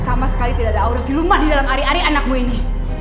sama sekali tidak ada aura siluman di dalam ari ari anakmu ini